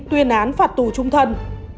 tuyên án phạt tù trung thân